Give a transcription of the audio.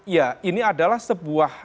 ya ini adalah sebuah